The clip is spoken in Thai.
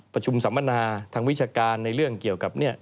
สัมมนาทางวิชาการในเรื่องเกี่ยวกับ